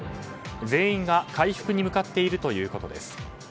全員が回復に向かっているということです。